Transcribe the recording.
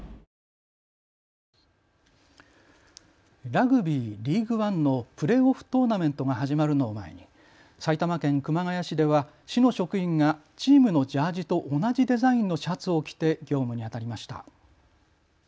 ラグビー、リーグワンのプレーオフトーナメントが始まるのを前に埼玉県熊谷市では市の職員がチームのジャージと同じデザインのシャツを着て業務にあたりました。